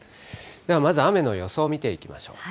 ではまずは雨の予想を見ていきましょう。